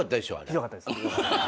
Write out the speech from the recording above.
ひどかったです。